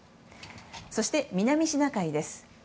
そして、南シナ海です。